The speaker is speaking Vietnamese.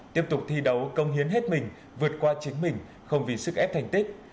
tiếp tục thi đấu công hiến hết mình vượt qua chính mình không vì sức ép thành tích